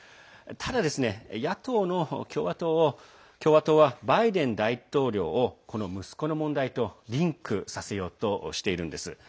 ただ、野党の共和党はバイデン大統領をこの息子の問題とリンクさせようとしているんです。